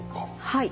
はい。